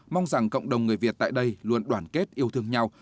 mong rằng cộng đồng người việt tại đây luôn đoàn kết yêu thương nhau